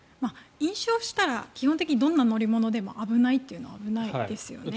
飲酒をしたら、基本的にどんな乗り物でも危ないのは危ないですよね。